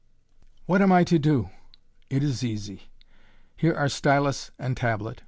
"What am I to do?" "It is easy. Here are stylus and tablet.